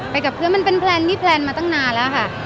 กับเพื่อนมันเป็นแพลนที่แพลนมาตั้งนานแล้วค่ะ